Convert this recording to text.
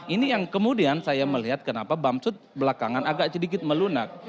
ini yang kemudian saya melihat kenapa bamsud belakangan agak sedikit melunak